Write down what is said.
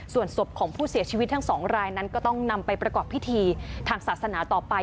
ส่วนศพของผู้เสียชีวิตทั้งสองรายนั้นก็ต้องนำไปประกอบพิธีทางศาสนาต่อไป